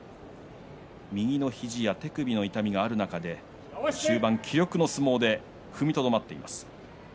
右の肘や手首の痛みがある中で、終盤は気力の相撲で踏みとどまっています。